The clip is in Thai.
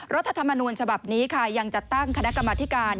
รัฐธรรมนูญฉบับนี้ค่ะยังจัดตั้งคณะกรรมธิการ